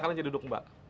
silakan aja duduk mbak